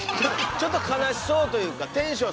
ちょっと悲しそうというかテンション